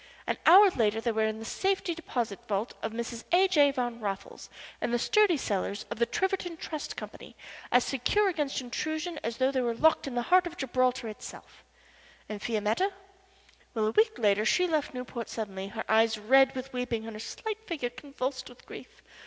An hour later they were in the safety deposit vault of Mrs. A. J. Van Raffles in the sturdy cellars of the Tiverton Trust Company, as secure against intrusion as though they were locked in the heart of Gibraltar itself. [Illustration: "HER SLIGHT LITTLE FIGURE CONVULSED WITH GRIEF"] And Fiametta? Well a week later she left Newport suddenly, her eyes red with weeping and her slight little figure convulsed with grief.